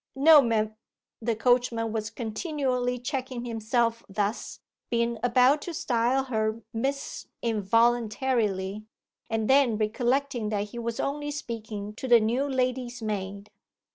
'No, m ' The coachman was continually checking himself thus, being about to style her miss involuntarily, and then recollecting that he was only speaking to the new lady's maid.